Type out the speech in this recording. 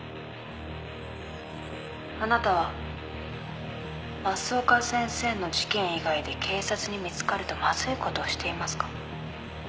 あなたは増岡先生の事件以外で警察に見つかるとまずいことをしていますか？